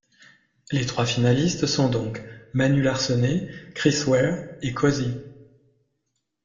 Les trois finalistes sont donc Manu Larcenet, Chris Ware et Cosey.